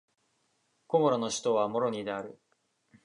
コモロの首都はモロニである